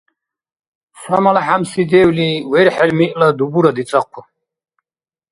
Ца малхӀямси девли верхӀел миъла дубура дицӀахъу.